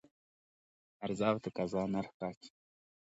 عرضه او تقاضا نرخ ټاکي.